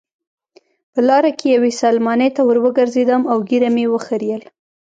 په لاره کې یوې سلمانۍ ته وروګرځېدم او ږیره مې وخریل.